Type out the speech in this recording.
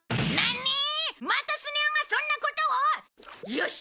よし！